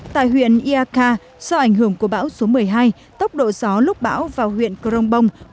tại huyện ia ka do ảnh hưởng của bão số một mươi hai tốc độ gió lúc bão vào huyện cơ rông bông